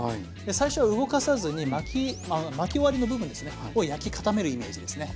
最初は動かさずに巻き終わりの部分ですねを焼き固めるイメージですね。